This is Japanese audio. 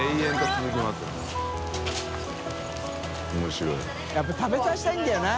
滅鬚ぁやっぱ食べさせたいんだよな。